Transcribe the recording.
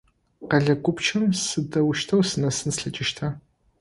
Къэлэ гупчэм сыдэущтэу сынэсын слъэкӏыщта?